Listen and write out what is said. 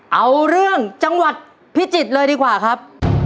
เอาเรื่องจังหวัดพิจิตรเลยดีกว่าครับ